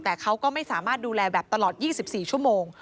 แต่เขาก็ไม่สามารถดูแลแบบตลอด๒๔ชั่วโมง